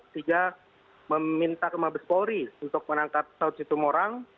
tiga meminta ke mabes polri untuk menangkap saud situmorang